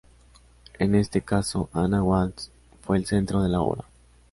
En este caso, Anna Walsh fue el centro de la obra.